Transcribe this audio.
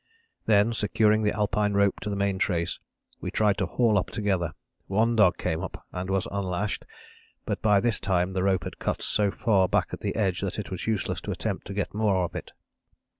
"Then securing the Alpine rope to the main trace we tried to haul up together. One dog came up and was unlashed, but by this time the rope had cut so far back at the edge that it was useless to attempt to get more of it.